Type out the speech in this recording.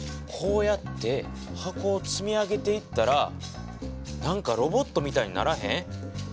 こうやって箱を積み上げていったらなんかロボットみたいにならへん？